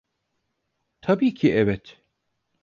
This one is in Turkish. Tabii ki evet.